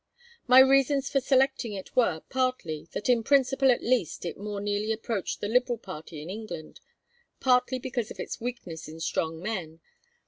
My reasons for selecting it were, partly, that in principle at least it more nearly approached the Liberal party in England; partly because of its weakness in strong men.